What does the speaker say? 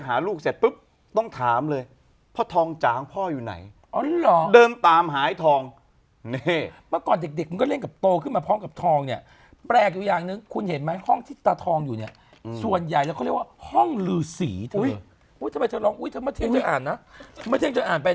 โดดร่มหาทุนเข้าองค์กรการกุศลเพื่อที่จะ